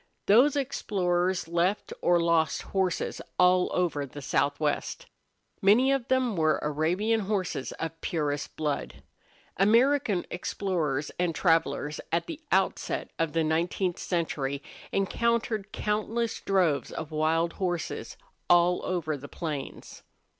Those explorers left or lost horses all over the southwest. Many of them were Arabian horses of purest blood. American explorers and travelers, at the outset of the nineteenth century, encountered countless droves of wild horses all over the plains.